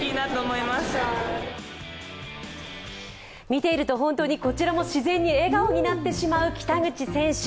見ていると本当にこちらも自然に笑顔になってしまう北口選手。